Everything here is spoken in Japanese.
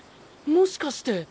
もしかして。